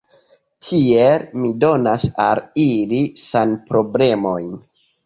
Tiel mi donas al ili sanproblemojn.